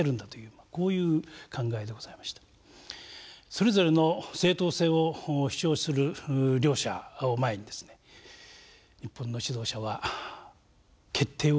それぞれの正当性を主張する両者を前にですね日本の指導者は決定を下す事ができなかった。